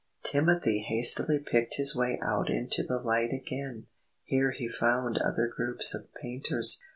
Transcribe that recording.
Timothy hastily picked his way out into the light again. Here he found other groups of painters.